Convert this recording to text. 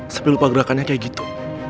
sepi lupa gerakannya kayak gitu